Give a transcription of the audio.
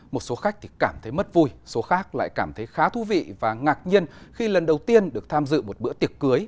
một số khách thì cảm thấy mất vui số khác lại cảm thấy khá thú vị và ngạc nhiên khi lần đầu tiên được tham dự một bữa tiệc cưới